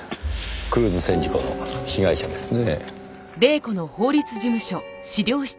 クルーズ船事故の被害者ですねぇ。